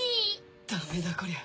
ダメだこりゃ